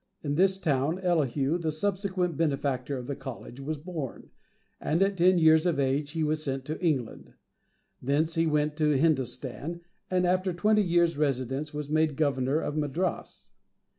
In this town, Elihu, the subsequent benefactor of the College, was born, and at ten years of age he was sent to England. Thence he went to Hindostan, and after twenty years' residence, was made Governor of Madras.